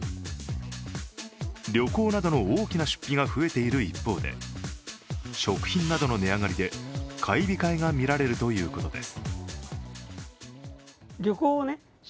旅行などの大きな出費が増えている一方で、食品などの値上がりで買い控えが見られるということです。